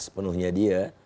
masih penuhnya dia